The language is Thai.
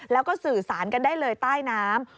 แล้วก็สื่อสารกันได้เลยใต้น้ำ